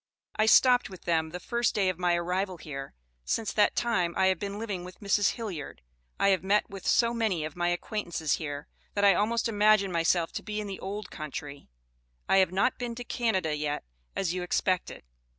I stopped with them the first day of my arrivel hear, since that Time I have been living with Mrs. Hilliard I have met with so menny of my acquaintances hear, that I all most immagion my self to bee in the old country. I have not been to Canaday yet, as you expected.